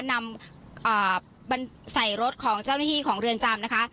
นำใส่รถของเจ้าหน้าที่ของเรือนจำนะคะ